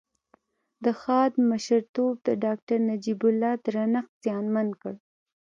د خاد مشرتوب د داکتر نجيب الله درنښت زیانمن کړ